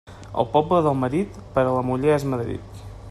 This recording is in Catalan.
El poble del marit, per a la muller és Madrid.